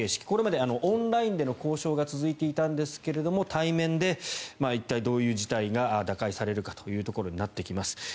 これまでオンラインでの交渉が続いていたんですが対面で、一体どういう事態が打開されるかということになってきます。